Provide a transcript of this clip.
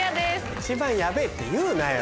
一番ヤベェって言うなよ。